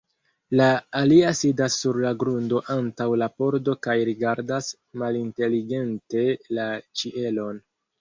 La alia sidas sur la grundo antaŭ la pordo kaj rigardas malinteligente la ĉielon.